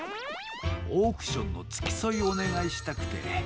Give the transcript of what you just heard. オークションのつきそいおねがいしたくてね。